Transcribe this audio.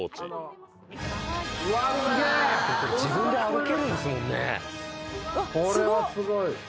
自分で歩けるんですもんね。